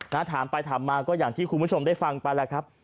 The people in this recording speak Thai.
ถามไปถามมาก็อย่างที่คุณผู้ชมได้ฟังไปแล้วครับ